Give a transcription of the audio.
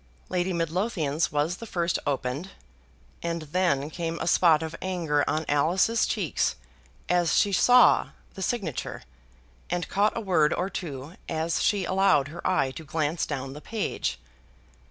Lady Midlothian's was the first opened, and then came a spot of anger on Alice's cheeks as she saw the signature, and caught a word or two as she allowed her eye to glance down the page.